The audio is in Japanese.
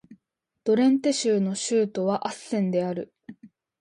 ドレンテ州の州都はアッセンである